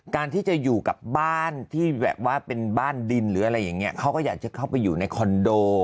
การที่จะอยู่กับบ้านที่แบบว่าเป็นบ้านดินหรืออะไรอย่างนี้เขาก็อยากจะเข้าไปอยู่ในคอนโด